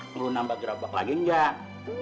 perlu nambah gerobak lagi nggak